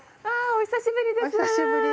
お久しぶりです。